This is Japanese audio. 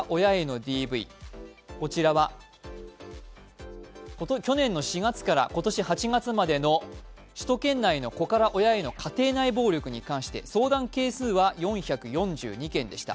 こちらは去年の４月から今年８月までの首都圏内の子から親への家庭内暴力に関して相談件数は４４２件でした。